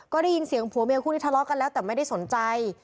ก็ได้ยินเสียงผัวเมียคู่นี้ทะเลาะกันแล้วแต่ไม่ได้สนใจ